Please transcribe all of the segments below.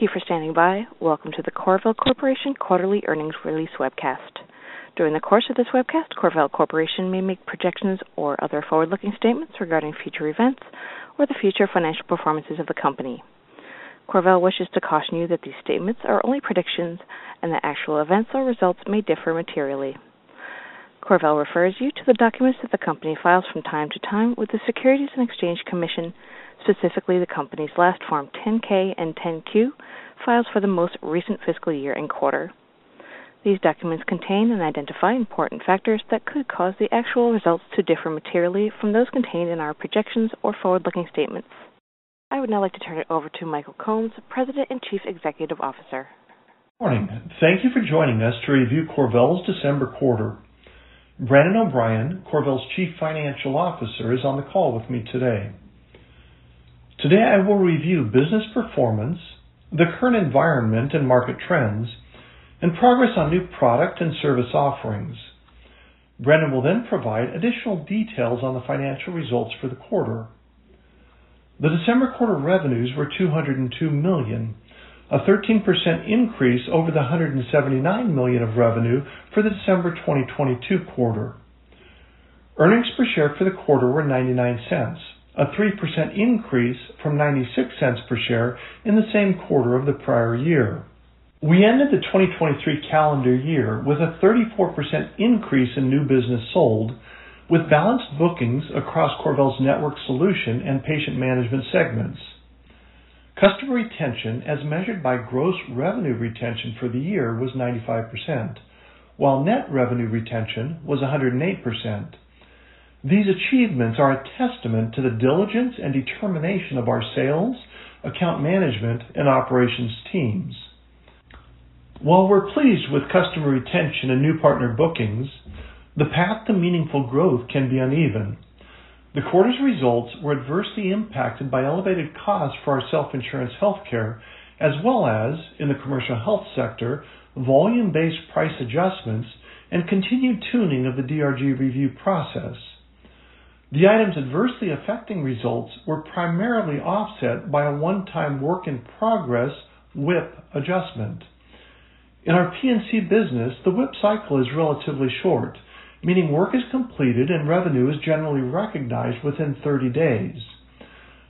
Thank you for standing by. Welcome to the CorVel Corporation Quarterly Earnings Release webcast. During the course of this webcast, CorVel Corporation may make projections or other forward-looking statements regarding future events or the future financial performances of the company. CorVel wishes to caution you that these statements are only predictions and that actual events or results may differ materially. CorVel refers you to the documents that the company files from time to time with the Securities and Exchange Commission, specifically the company's last Form 10-K and 10-Q files for the most recent fiscal year and quarter. These documents contain and identify important factors that could cause the actual results to differ materially from those contained in our projections or forward-looking statements. I would now like to turn it over to Michael Combs, President and Chief Executive Officer. Good morning. Thank you for joining us to review CorVel's December quarter. Brandon O'Brien, CorVel's Chief Financial Officer, is on the call with me today. Today, I will review business performance, the current environment and market trends, and progress on new product and service offerings. Brandon will then provide additional details on the financial results for the quarter. The December quarter revenues were $202 million, a 13% increase over the $179 million of revenue for the December 2022 quarter. Earnings per share for the quarter were $0.99, a 3% increase from $0.96 per share in the same quarter of the prior year. We ended the 2023 calendar year with a 34% increase in new business sold, with balanced bookings across CorVel's Network Solutions and Patient Management segments. Customer retention, as measured by gross revenue retention for the year, was 95%, while net revenue retention was 108%. These achievements are a testament to the diligence and determination of our sales, account management, and operations teams. While we're pleased with customer retention and new partner bookings, the path to meaningful growth can be uneven. The quarter's results were adversely impacted by elevated costs for our self-insurance healthcare, as well as in the commercial health sector, volume-based price adjustments, and continued tuning of the DRG review process. The items adversely affecting results were primarily offset by a one-time work in progress WIP adjustment. In our P&C business, the WIP cycle is relatively short, meaning work is completed and revenue is generally recognized within 30 days.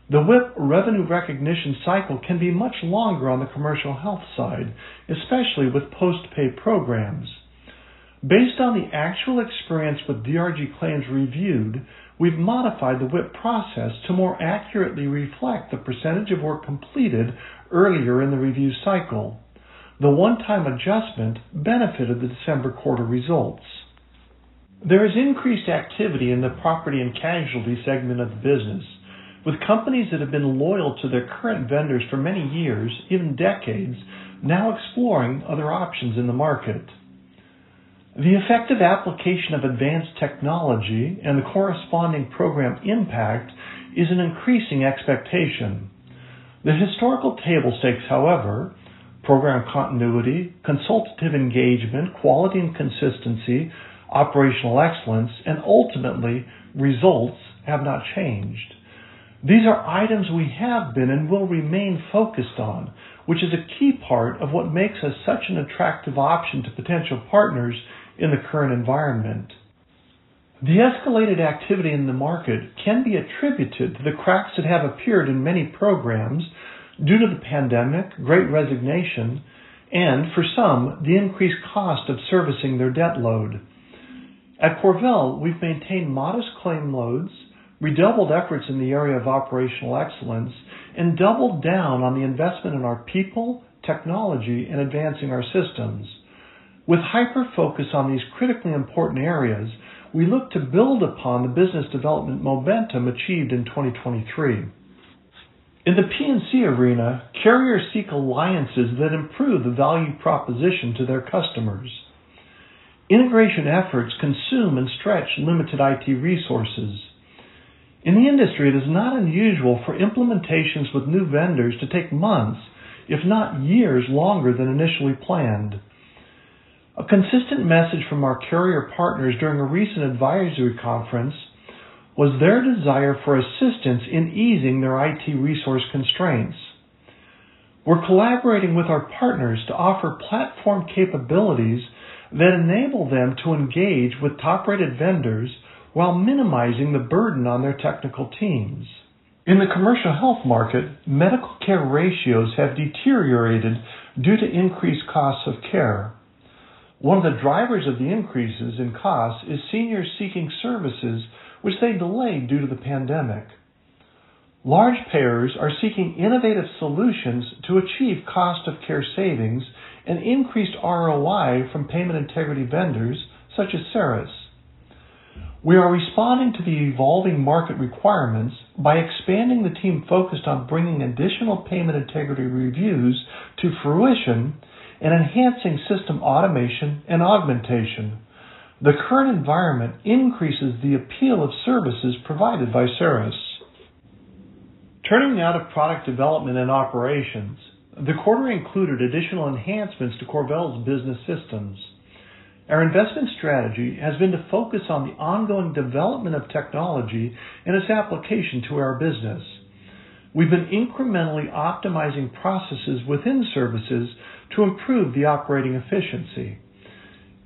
The WIP revenue recognition cycle can be much longer on the commercial health side, especially with post-pay programs. Based on the actual experience with DRG claims reviewed, we've modified the WIP process to more accurately reflect the percentage of work completed earlier in the review cycle. The one-time adjustment benefited the December quarter results. There is increased activity in the property and casualty segment of the business, with companies that have been loyal to their current vendors for many years, even decades, now exploring other options in the market. The effective application of advanced technology and the corresponding program impact is an increasing expectation. The historical table stakes, however, program continuity, consultative engagement, quality and consistency, operational excellence, and ultimately results, have not changed. These are items we have been and will remain focused on, which is a key part of what makes us such an attractive option to potential partners in the current environment. The escalated activity in the market can be attributed to the cracks that have appeared in many programs due to the pandemic, Great Resignation, and for some, the increased cost of servicing their debt load. At CorVel, we've maintained modest claim loads, redoubled efforts in the area of operational excellence, and doubled down on the investment in our people, technology, and advancing our systems. With hyper-focus on these critically important areas, we look to build upon the business development momentum achieved in 2023. In the P&C arena, carriers seek alliances that improve the value proposition to their customers. Integration efforts consume and stretch limited IT resources. In the industry, it is not unusual for implementations with new vendors to take months, if not years, longer than initially planned. A consistent message from our carrier partners during a recent advisory conference was their desire for assistance in easing their IT resource constraints. We're collaborating with our partners to offer platform capabilities that enable them to engage with top-rated vendors while minimizing the burden on their technical teams. In the commercial health market, medical care ratios have deteriorated due to increased costs of care. One of the drivers of the increases in costs is seniors seeking services which they delayed due to the pandemic. Large payers are seeking innovative solutions to achieve cost of care savings and increased ROI from payment integrity vendors such as CERIS. We are responding to the evolving market requirements by expanding the team focused on bringing additional payment integrity reviews to fruition and enhancing system automation and augmentation. The current environment increases the appeal of services provided by CERIS. Turning now to product development and operations. The quarter included additional enhancements to CorVel's business systems. Our investment strategy has been to focus on the ongoing development of technology and its application to our business. We've been incrementally optimizing processes within services to improve the operating efficiency.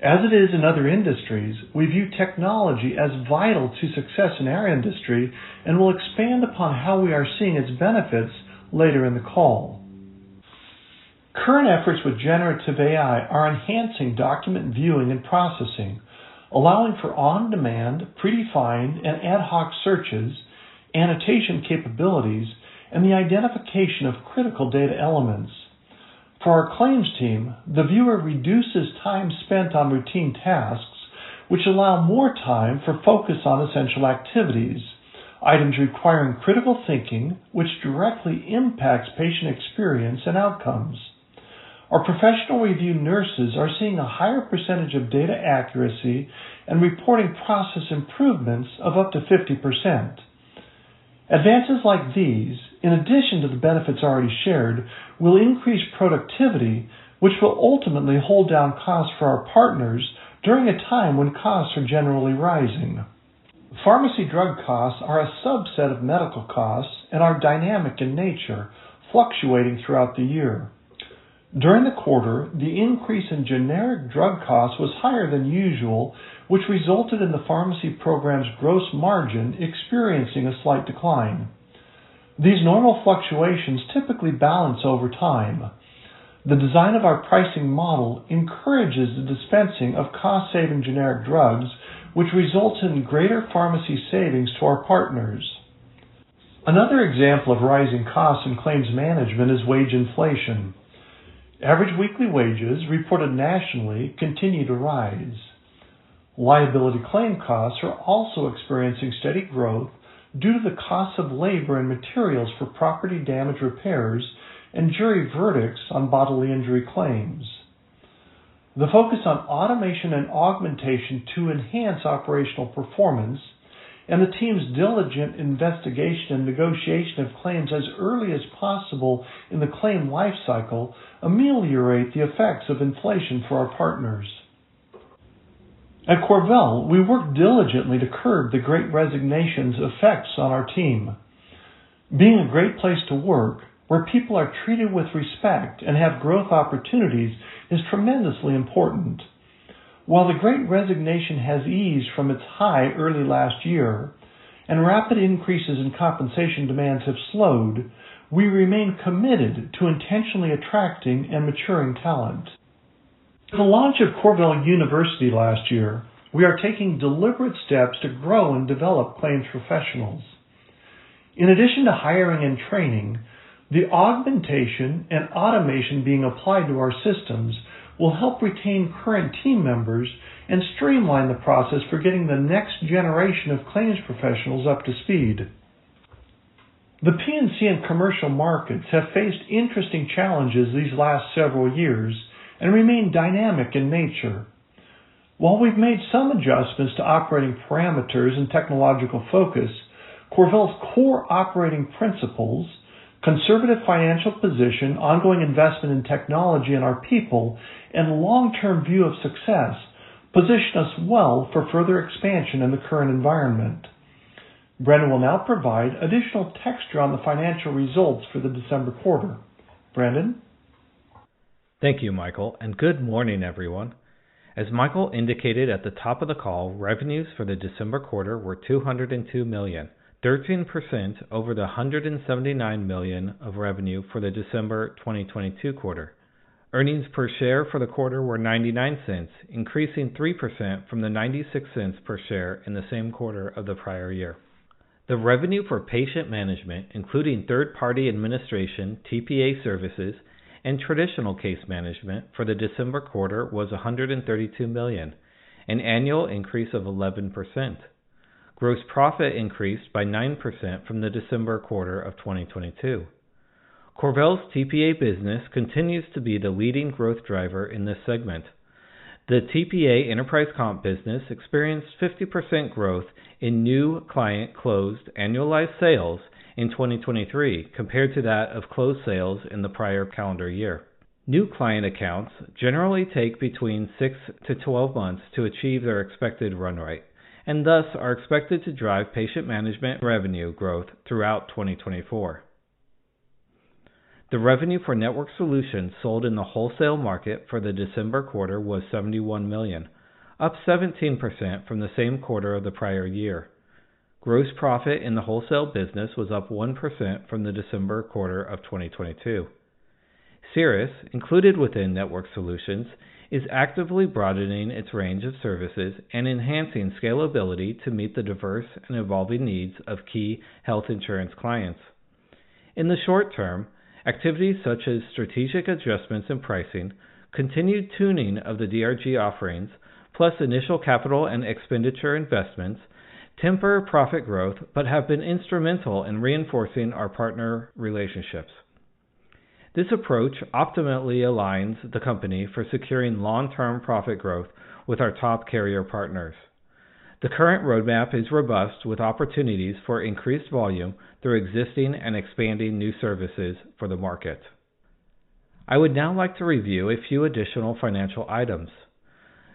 As it is in other industries, we view technology as vital to success in our industry and will expand upon how we are seeing its benefits later in the call. Current efforts with generative AI are enhancing document viewing and processing, allowing for on-demand, predefined, and ad hoc searches, annotation capabilities, and the identification of critical data elements. For our claims team, the viewer reduces time spent on routine tasks, which allow more time for focus on essential activities, items requiring critical thinking, which directly impacts patient experience and outcomes. Our professional review nurses are seeing a higher percentage of data accuracy and reporting process improvements of up to 50%. Advances like these, in addition to the benefits already shared, will increase productivity, which will ultimately hold down costs for our partners during a time when costs are generally rising. Pharmacy drug costs are a subset of medical costs and are dynamic in nature, fluctuating throughout the year. During the quarter, the increase in generic drug costs was higher than usual, which resulted in the pharmacy program's gross margin experiencing a slight decline. These normal fluctuations typically balance over time. The design of our pricing model encourages the dispensing of cost-saving generic drugs, which results in greater pharmacy savings to our partners. Another example of rising costs in claims management is wage inflation. Average weekly wages reported nationally continue to rise. Liability claim costs are also experiencing steady growth due to the cost of labor and materials for property damage repairs and jury verdicts on bodily injury claims. The focus on automation and augmentation to enhance operational performance and the team's diligent investigation and negotiation of claims as early as possible in the claim lifecycle ameliorate the effects of inflation for our partners. At CorVel, we work diligently to curb the Great Resignation's effects on our team. Being a great place to work, where people are treated with respect and have growth opportunities, is tremendously important. While the Great Resignation has eased from its high early last year, and rapid increases in compensation demands have slowed, we remain committed to intentionally attracting and maturing talent. The launch of CorVel University last year, we are taking deliberate steps to grow and develop claims professionals. In addition to hiring and training, the augmentation and automation being applied to our systems will help retain current team members and streamline the process for getting the next generation of claims professionals up to speed. The P&C and commercial markets have faced interesting challenges these last several years and remain dynamic in nature. While we've made some adjustments to operating parameters and technological focus, CorVel's core operating principles, conservative financial position, ongoing investment in technology and our people, and long-term view of success position us well for further expansion in the current environment. Brandon will now provide additional texture on the financial results for the December quarter. Brandon? Thank you, Michael, and good morning, everyone. As Michael indicated at the top of the call, revenues for the December quarter were $202 million, 13% over the $179 million of revenue for the December 2022 quarter. Earnings per share for the quarter were $0.99, increasing 3% from the $0.96 per share in the same quarter of the prior year. The revenue for Patient Management, including third-party administration, TPA services, and traditional case management for the December quarter, was $132 million, an annual increase of 11%. Gross profit increased by 9% from the December quarter of 2022. CorVel's TPA business continues to be the leading growth driver in this segment. The TPA Enterprise Comp business experienced 50% growth in new client closed annualized sales in 2023 compared to that of closed sales in the prior calendar year. New client accounts generally take between 6-12 months to achieve their expected run rate, and thus are expected to drive Patient Management revenue growth throughout 2024. The revenue for Network Solutions sold in the wholesale market for the December quarter was $71 million, up 17% from the same quarter of the prior year. Gross profit in the wholesale business was up 1% from the December quarter of 2022. CERIS, included within Network Solutions, is actively broadening its range of services and enhancing scalability to meet the diverse and evolving needs of key health insurance clients. In the short term, activities such as strategic adjustments in pricing, continued tuning of the DRG offerings, plus initial capital and expenditure investments, temper profit growth, but have been instrumental in reinforcing our partner relationships. This approach optimally aligns the company for securing long-term profit growth with our top carrier partners. The current roadmap is robust, with opportunities for increased volume through existing and expanding new services for the market. I would now like to review a few additional financial items.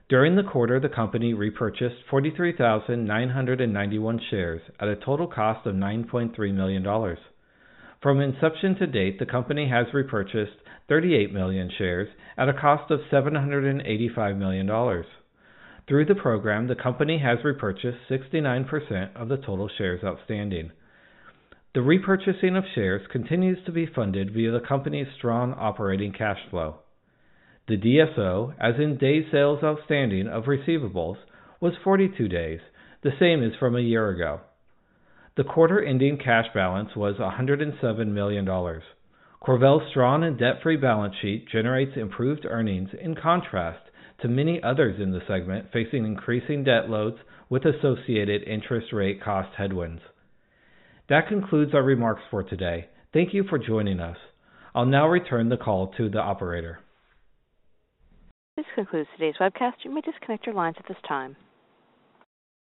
During the quarter, the company repurchased 43,991 shares at a total cost of $9.3 million. From inception to date, the company has repurchased 38 million shares at a cost of $785 million. Through the program, the company has repurchased 69% of the total shares outstanding. The repurchasing of shares continues to be funded via the company's strong operating cash flow. The DSO, as in Days Sales Outstanding of receivables, was 42 days, the same as from a year ago. The quarter-ending cash balance was $107 million. CorVel's strong and debt-free balance sheet generates improved earnings, in contrast to many others in the segment, facing increasing debt loads with associated interest rate cost headwinds. That concludes our remarks for today. Thank you for joining us. I'll now return the call to the operator. This concludes today's webcast. You may disconnect your lines at this time.